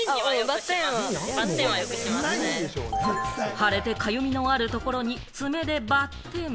腫れて、かゆみのあるところに爪でバッテン。